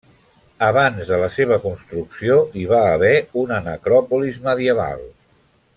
Abans de la seva construcció hi va haver una necròpolis medieval.